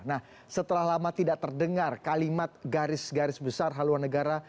nah setelah lama tidak terdengar kalimat garis garis besar haluan negara